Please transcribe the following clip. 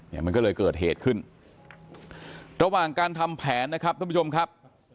เนี่ยมันก็เลยเกิดเหตุขึ้นระหว่างการทำแผนนะครับท่านผู้ชมครับ